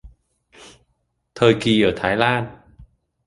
Thời kỳ ở Thái Lan